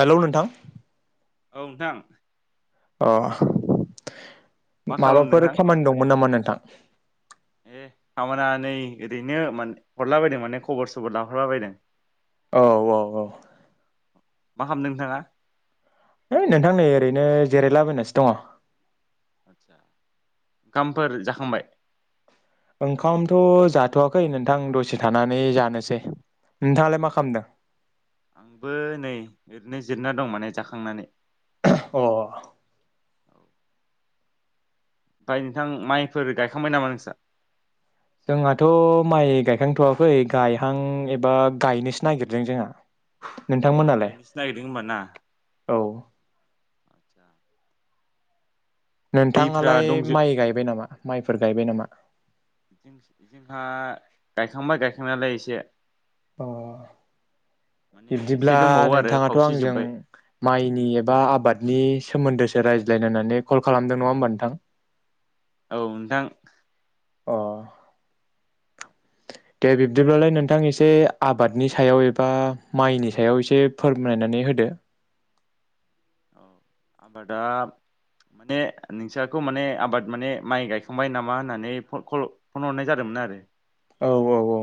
Hello नोंथां। औ नोंथां। अ मा खालामदों माबाफोर नोंथां? खामानि दंमोन नामा नों थां ए खामाना नै ओरैनो माने हरला बायदों माने खबर सबर लाहरला बायदों। औ-औ-औ। मा खामदों नोंथाङा? है नोंथां नै ओरैनो जिरायलाबायनासो दङ'। आदसा खामफोर जाखांबाय? ओंखामथ' जाथ'वाखै नोंथां दसे थानानै जानोसै नोंथाङालाय मा खालामदों? आंबो नै ओरैनो जिरना दं माने जाखांनानै। [unintelligible] अ। ओमफाय नोंथां माइफोर गायखांबाय नामा नोंस्रा? जोंहाथ' माइ गायखांथ'वाखै गायहां एबा गायनोसो नागिरदों जोंहा। नोंथांमोनालाय गायनोसो नागिरदों होमबा ना? औ। [inaudible] दैफ्रा नोनथाङालाय दंजो माइ गायबाय नामा? माइफोर गायबाय नामा? जोंहा गायखांबाय गायखांनायालाय एसे। अ। माने बिब्दिब्ला एसे दंबावो आरो नोंथाङाथ' खावसे आंजों जोब्बाय माइनि एबा आबाद नि सोमोन्दोसो रायज्लायनो कल खालामदों नङा होमबा नोंथां? औ नोंथां। अ। दे बिब्दिब्लालाय नोंथां एसे आबादनि सायाव एबा माइनि सायाव एसे फोरमायनानै होदो। औ आबादा माने नोंस्राखौ माने आबाद माने माइ गायखांबाय नामा होननानै फ-कल-फन हरनाय जादोंमोन आरो। औ औ औ।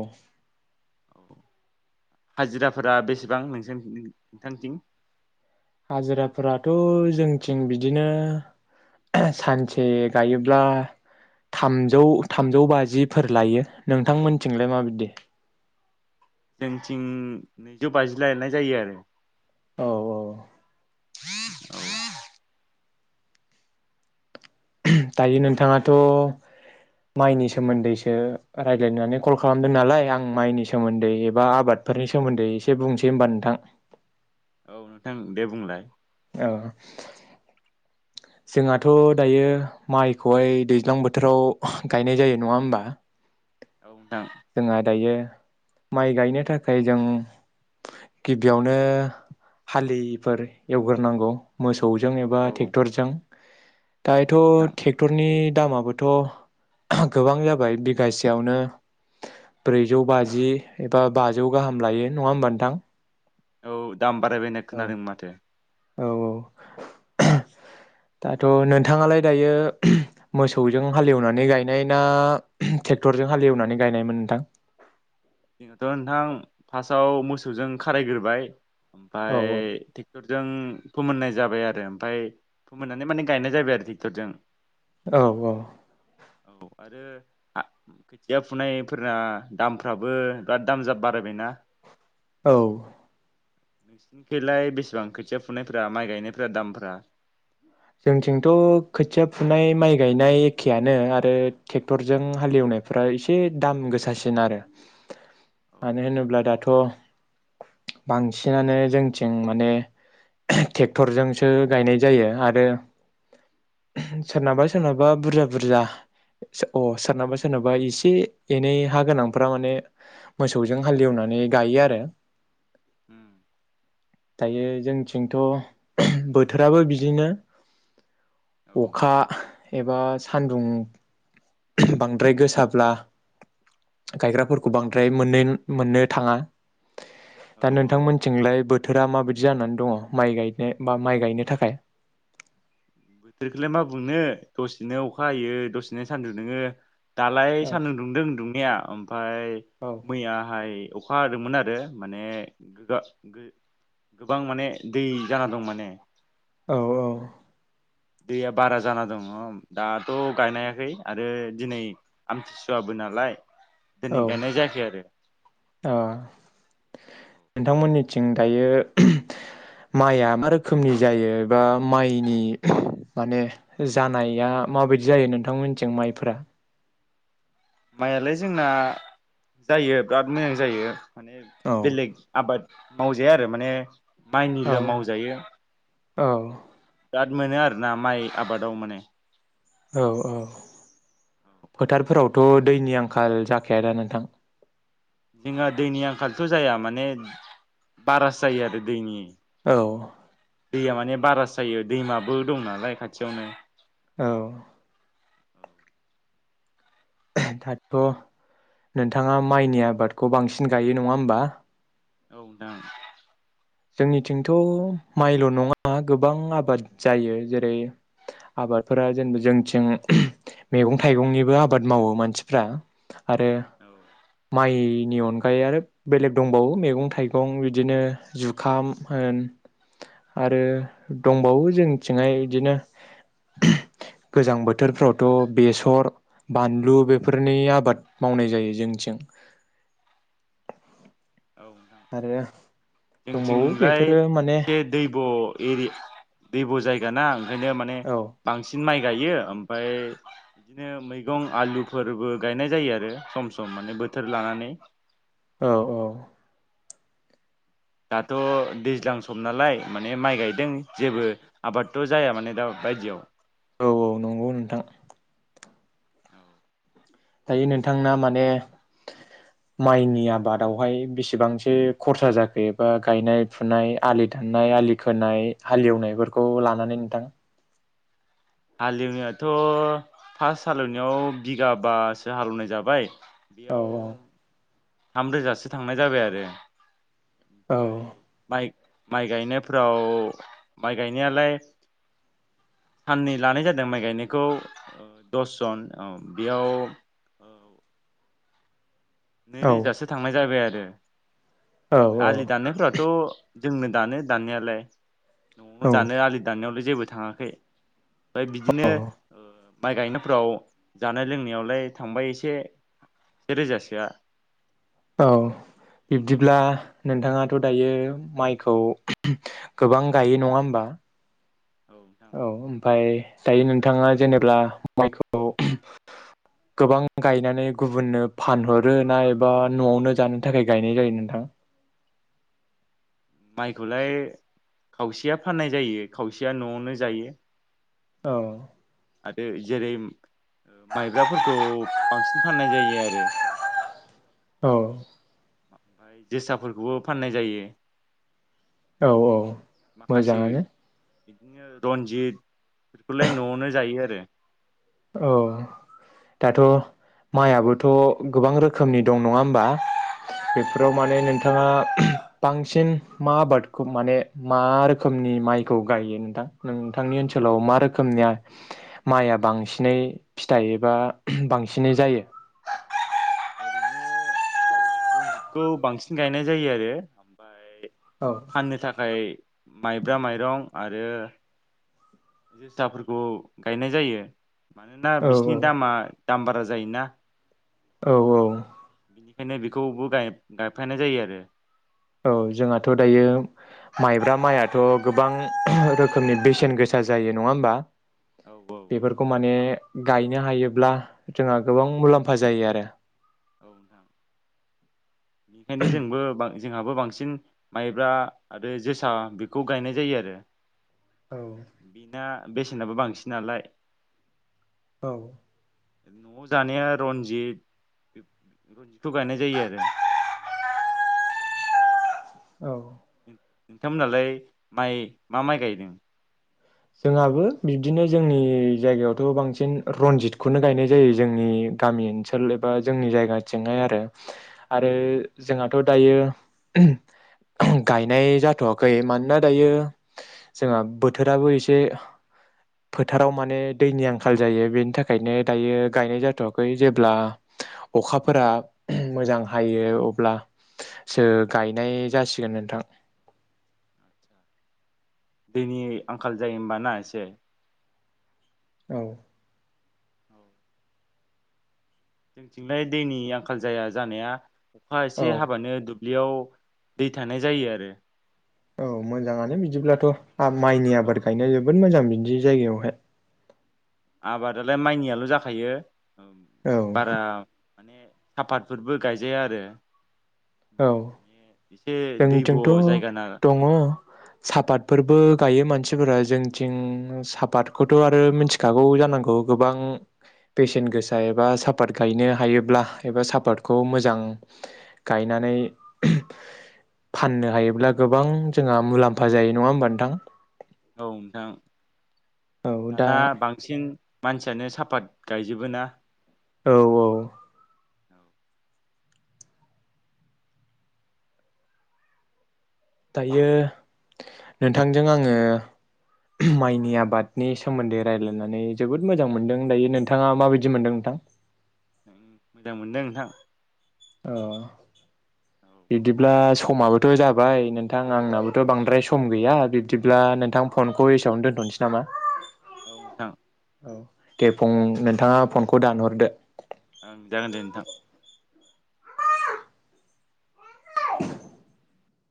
हाजिराफोरा बेसेबां नोंजों नो-नोंथांथिं? हाजिराफोराथ' जोंथिं बिदिनो ओहो सानसे गायोब्ला थामजौ थामजौ बाजिफोर लायो नोंथांमोनथिंलाय माबायदि? जोंथिं नैजौ बाजि लायनाय जायो आरो। औ औ। औ। ओहोम दायो नोंथाङाथ' माइनि सोमोन्दैसो रायलायनो होननानैसो कल खालामदों नालाय आं माइनि सोमोन्दै एबा आबादफोरनि सोमोन्दै एसे बुंनोसै होमबा नोंथां। औ नोंथां दे बुंलाय। ओ जोंहाथ' दायो माइखौहाय दैज्लां बोथोराव गायनाय जायो नङा होमबा? औ नोंथां औ जोंहा दायो माइ गायनो थाखाय जों गिबियावनो हालिफोर एवग्रोनांगौ मोसौजों एबा औ ट्रेक्टरजों औ नोंथां दायोथ' ट्रेक्टरनि दामाबोथ' गोबां जाबाय बिगासेयावनो ब्रैजौ बाजि एबा बाजौ गाहाम लायो नङा होमबा नोंथां? औ। दाम बारायबाय होननाय खोनादों माथो। औ औ दाथ' नोंथाङालाय दायो मोसौजों हाल एवनानै गायनाय ना ट्रेक्टरजों हाल एवनानै गायनायमोन नोंथां? जोंनाथ' नोंथां फार्स्टआव मोसौजों खारायग्रोबाय। ओमफ्राय औ ट्रेक्टरजों फोमोननाय जाबाय आरो ओमफ्राय फोमोननानै माने गायनाय जाबाय आरो ट्रेक्टरजों। औ औ। आरो खोथिया फुनायफोरना दामफोरा दामफ्रा कबो बिराद दाम जा बारायबायना। औ। नोंसिनिखैलाय बेसेबां खोथिया फुनाय माइ गायनायफ्रा दामफ्रा? जोंथिंथ' खोथिया फुनाय माइ गायनाय एखेआानो आरो ट्रेक्टरजों हाल एवनायफ्रा एसे दाम गोसासिन आरो औ मानो होनोब्ला दाथ' बांसिनानो जोंथिं माने ट्रेक्टरजोंसो गायनाय जायो आरो आरो सोरनाबा सोरनाबा बुरजा बुरजा अ सोरनाबा सोरनाबा एसे एनै हा गोनांफ्रा माने मोसौजों हाल एवनानै गायो। आरो औ दायो जोंथिंथ' बोथोराबो बिदिनो अखा एबा सान्दुं बांद्राय गोसाब्ला गायग्राफोरखौ बांद्राय मोननो मोननो थाङा औ दा नोंथांमोननिथिंलाय बोथोरा माबायदि जानानै दङ माइ गायनो बा माइ गायनो थाखाय। बोथोरखौलाय मा बुंनो दसेनो अखा हायो दसेनो सान्दुं दुङो। दालाय औ सान्दुं दुंदों दुंनाया ओमफ्राय औ मैयाहाय अखा हादोंमोन आरो माने गोबा गोबां माने दै जाना दं माने। औ औ। दैया बारा जाना दङ दाथ' गायनो हायाखै आरो दिनै आमथिसुवाबो नालाय। औ दोनै गायनाय जायाखै आरो। ओ नोंथांमोननिथिं दायो माइआ मा रोखोमनि जायो बा माइनि माने जानाया माबायदि जायो नोंथांमोननिथिं माइफोरा? माइआलाय जोंना जायो बिराद मोजां जायो। माने औ बेलेग आबाद मावजाया आरो माने औ माइनिल मावजायो। औ। बिराद मोनो आरो ना माइ आबादाव माने औ औ। फोथारफोरावथ' दैनि आं खाल जाखाया दा नोंथां? जोंहा दैनि आंखालथ' जाया माने बारासो जायो आरो दैनि औ। दैया माने बारासो जायो दैमाबो दं नालाय खाथियावनो। औ। दाथ' नोंथाङा माइनि आबादखौ बांसिन गायो नङा होमबा? औ नोंथां। जोंनिथिंथ' माइल' नङा गोबां आबाद जायो। जेरै आबादफोरा जेनेबा जोंथिं मैगं थाइगंनिबो आबाद मावो मानसिफ्रा आरो औ माइ नि अनगायै आरो बेलेग दंबावो मैगं थाइगं बिदिनो। जुखाम होन आरो दंबावो जोंथिंहाय बिदिनो गोजां बोथोरफ्रावथ' बेसर बानलु बेफोरनि आबाद मावनाय जायो जोंथिं। औ नोंथां आरो दंबावो जोंथिंलाय बेफोरो माने एसे दैब' एरि दैब' जाय गोनां ओनो माने औ बांसिन माइ गायो ओमफाय बिदिनो मैगं आलुफोरबो गायनाय जायो आरो सम सम माने बोथोर लानानै। औ औ। दाथ' दैज्लां सम नालाय माने माइ गायदों जेबो आबादथ' जाया माने दा बायदियाव। औ औ नंगौ नोंथां। औ। दायो नोंथांना माने माइनि आबादावहाय बेसेबांसो खरसा जाखो एबा गायनाय फुनाय आलि दाननाय आलि खोनाय हालेवनायफोरखौ लानानै नोंथां? हालेवनायाथ' फार्स्ट हालेवनायाव बिगाबासो हालेवनाय जाबाय औ बेयाव थामरोजासो थांनाय जाबाय आरो। औ ओमफाय बाइक माइ गायनायफ्राव माइ गायनायालाय साननै लानाय जादों माइ गायनायखौ दसजन औ बेयाव औ नैरोजासो थांनाय जाबाय आरो। औ दे। आलि दाननायफथ' जोंनो दानो दाननायालाय। न'आवनो औ दानो आलि दाननायावलाय जेबो थाङाखै। ओमफाय बिदिनो औ ओ माइ गायनायफ्राव जानाय लोंनायावलाय थांबाय एसे से रोजासोआ। औ बिब्दिब्ला औ औ नोंथाङा थ' दायो माइखौ गोबां गायो नङा होमबा? नोंथां औ ओमफाय दायो नोंथाङा जेनेब्ला माइखौ गोबां गायनानै गुबुननो फानहरो ना एबा न'आवनो जानो थाखाय गायनाय जायो नोंथां? माइखौलाय खावसेआ फाननाय जायो खावसेआ न'आवनो जायो। औ। आरो जेरै ओ माइब्राफोरखौ बांसिन फाननाय जायो आरो। औ। ओमफाय जोसाफोरखौबो फाननाय जायो। औ औ माखासे मोजाङानो। बिदिनो रन्जित बेफोरखौलाय न'आवनो जायो आरो। औ दाथ' माइआबोथ' गोबां रोखोमनि दं नङा होमबा? औ बेफोराव दं माने नोंथाङा बांसिन मा आबादखौ माने मा रोखोमनि माइखौ गायो नोंथां नोंथांनि ओनसोलाव मा रोखोमनिया माइआ बांसिन? बिसिनै फिथाइ एबा बांसिनै जायो? ओ रनजितखौ बांसिन गायनाय जायो आरो ओमफाय औ फाननो थाखाय माइब्रा माइरं आरो जोसाफोरखौ गायनाय जायो मानोना औ बिसिनि दामा दाम बारा जायोना औ औ। बिनिखायनो बेखौबो गायफ गायफानाय जायो आरो औ जोंहाथ' दायो माइब्रा माइआथ' गोबां रोखोमनि बेसेन गोसा जायो नङा होमबा औ औ बेफोरखौ माने गायनो हायोब्ला जोंहा गोबां मुलाम्फा जायो आरो नोंथां बेनिखायनो जोंबो बां जोंहाबो बांसिन माइब्रा आरो जोसा बेखौ गायनाय जायो आरो बिना बेसेनाबो बांसिन नालाय औ न'आव जानाया रनजित रनजितखौ गायनाय जायो आरो। औ नोंथांमोनालाय माइ मा माइ गायदों? जोंहाबो बिब्दिनो जोंनि जायगायावथ' बांसिन रनजितखौनो गायनाय जायो जोंनि गामि ओनसोल एबा जोंनि जायगाथिंहाय आरो आरो जोंहाथ' दायो गायनाय जाथ'वाखै मानोना दायो जोंहा बोथोराबो एसे से फोथाराव माने दैनि आंखाल जायो बेनि थाखायनो दायो गायनाय जाथ'वाखै जेब्ला अखाफोरा मोजां हायो अब्लासो गायनाय जासिगोन नोंथां। दैनि आंखाल जायो ओमबा ना एसे औ जोंथिंलाय दैनि आंखाल जाया जानाया अखा औ एसे हाबानो दु ब्लियाव दै थानाय जायो आरो। औ मोजाङानो बिदिब्लाथ'। आब माइनि औ आबाद गायनाय जोब बोद मोजां बिदि जायगायावहाय आबादालाय माइनियाल' जाखायो। औ औ बारा माने सापातफोरबो गायजाया आरो। औ एसे दैब' जोंथिंथ' जायगा ना दङ सापातफोरबो गायो मानसिफोरा जोंथिं सापातखौथ' आरो मिनथिखागौ जानांगौ गोबां बेसेन गोसा एबा सापात गायनो हायोब्ला एबा सापातखौ मोजां गायनानै फाननो हायोब्ला गोबां जोंहा मुलाम्फा जायो नङा होमबा नोंथां? औ नोंथां। औ दा दाना बांसिन मानसियानो साफात गायजोबो ना औ औ औ दायो नोंथांजों आङो माइनि आबादनि सोमोन्दै रायलायनानै जोबोद मोजां मोनदों दायो नोंथाङा माबायदि मोनदों नोंथां? मोजां मोनदों नोंथां। अ औ बिब्दिब्ला समाबोथ' जाबाय नोंथां आंनाबोथ' बांद्राय सम गैया बिब्दिब्ला नोंथां फनखौ एसेयावनो दोनथ'नोसै नामा? औ नोंथां औ दे फं नोंथाङा फनखौ दानहरदो। ओं जागोन दे नोंथां। [unintelligible]